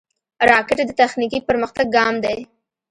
راکټ د تخنیکي پرمختګ ګام دی